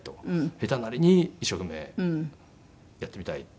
下手なりに一生懸命やってみたいっていうので。